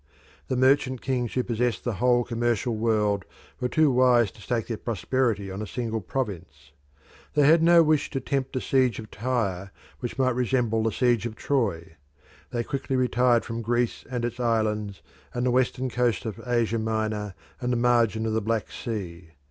The merchant kings who possessed the whole commercial world were too wise to stake their prosperity on a single province. They had no wish to tempt a siege of Tyre which might resemble the siege of Troy. They quickly retired from Greece and its islands, and the western coast of Asia Minor and the margin of the Black Sea.